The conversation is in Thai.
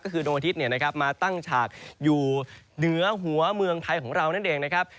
ก็คือดวงอาทิตย์มาตั้งฉากอยู่เหนือหัวเมืองไทยของเรานั่นเองนะครับ